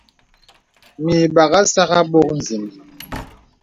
Mə ìbàghā sàk àbok zìnə.